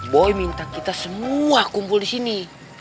boy minta kita semua kumpul disini